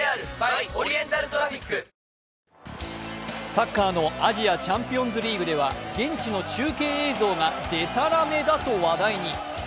サッカーのアジアチャンピオンズリーグでは現地の中継映像がでたらめだと話題に。